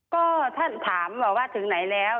ก็ท่านถามว่าถึงไหนแล้ว